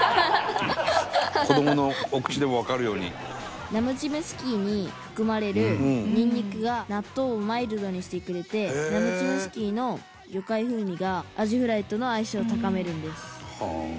俺ナムチムスキーに含まれるニンニクが納豆をマイルドにしてくれてナムチムスキーの魚介風味がアジフライとの相性を高めるんです。